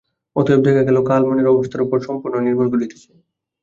অতএব দেখা গেল, কাল মনের অবস্থার উপর সম্পূর্ণ নির্ভর করিতেছে।